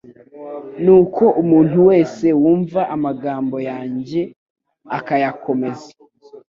«Nuko umuntu wese wumva amagambo yanjye akayakomeza,